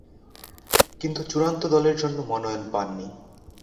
কিন্তু চূড়ান্ত দলের জন্য মনোনয়ন পাননি।